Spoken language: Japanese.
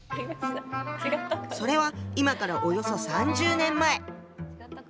それは今からおよそ３０年前。